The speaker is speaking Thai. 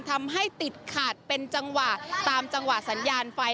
ทำให้ติดขาดเป็นจังหวะตามจังหวะสัญญาณไฟ